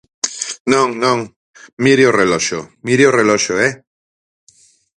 Non, non, mire o reloxo, mire o reloxo, ¡eh!